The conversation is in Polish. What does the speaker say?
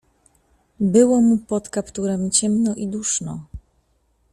"Było mu pod kapturem ciemno i duszno."